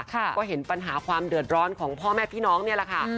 ก็เห็นปัญหาความเดือดร้อนของพ่อแม่พี่น้องนี่แหละค่ะ